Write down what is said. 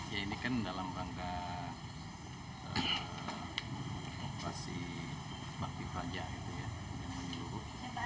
ya ini kan dalam rangka operasi bakti fraja gitu ya